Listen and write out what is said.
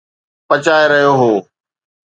پچائي رهيو هو